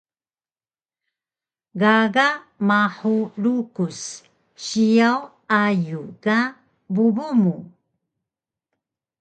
Gaga mahu lukus siyaw ayug ka bubu mu